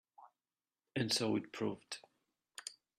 And so it proved.